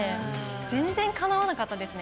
全然かなわなかったですね。